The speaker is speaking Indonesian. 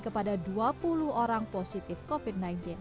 kepada dua puluh orang positif covid sembilan belas